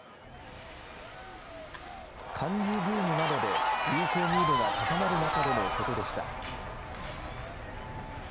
韓流ブームなどで友好ムードが高まる中でのことでした。